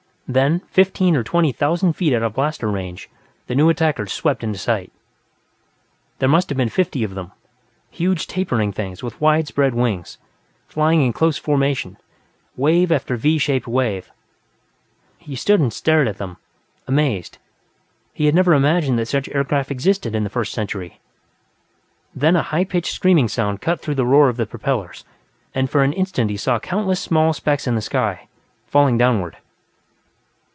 Then, fifteen or twenty thousand feet out of blaster range, the new attackers swept into sight. There must have been fifty of them, huge tapering things with wide spread wings, flying in close formation, wave after V shaped wave. He stood and stared at them, amazed; he had never imagined that such aircraft existed in the First Century. Then a high pitched screaming sound cut through the roar of the propellers, and for an instant he saw countless small specks in the sky, falling downward.